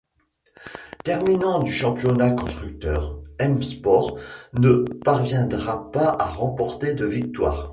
Terminant du championnat constructeur, M-Sport ne parviendra pas à remporter de victoire.